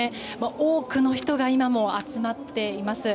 多くの人が今も集まっています。